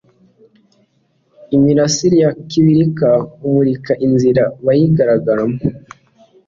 imirasire ya kiberinka imurikira inzira bariyiragamo.